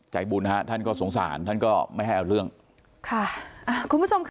บุญฮะท่านก็สงสารท่านก็ไม่ให้เอาเรื่องค่ะอ่าคุณผู้ชมค่ะ